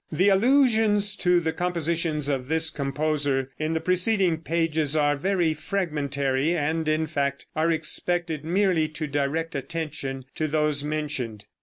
The allusions to the compositions of this composer in the preceding pages are very fragmentary, and, in fact, are expected merely to direct attention to those mentioned.